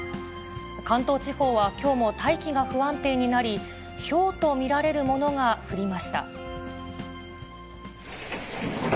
関東地方はきょうも大気が不安定になり、ひょうと見られるものが降りました。